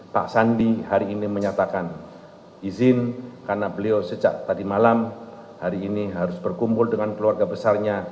pak sandi hari ini menyatakan izin karena beliau sejak tadi malam hari ini harus berkumpul dengan keluarga besarnya